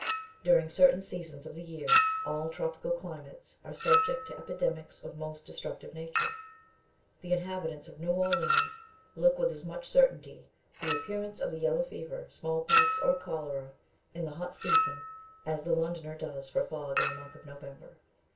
DURING certain seasons of the year, all tropical climates are subject to epidemics of a most destructive nature. The inhabitants of New Orleans look with as much certainty for the appearance of the yellow fever, small pox, or cholera, in the hot season, as the Londoner does for fog in the month of November.